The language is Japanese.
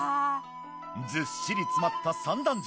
ずっしり詰まった三段重。